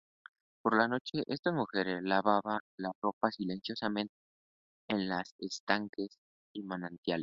Por la noche estas mujeres lavaban la ropa silenciosamente en estanques y manantiales.